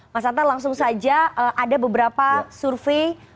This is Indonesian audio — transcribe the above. mas anta langsung saja ada beberapa survei